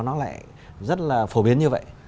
nó lại rất là phổ biến như vậy